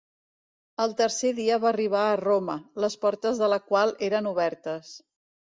El tercer dia va arribar a Roma, les portes de la qual eren obertes.